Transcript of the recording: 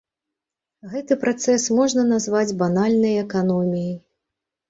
Гэты працэс можна назваць банальнай эканоміяй.